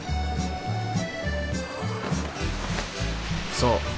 そう。